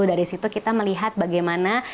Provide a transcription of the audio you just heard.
dari situ kita melihat bagaimana